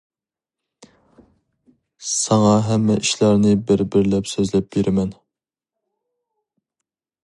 ساڭا ھەممە ئىشلارنى بىر-بىرلەپ سۆزلەپ بېرىمەن.